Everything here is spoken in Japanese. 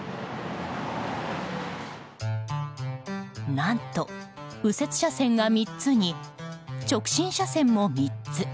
何と右折車線が３つに直進車線も３つ。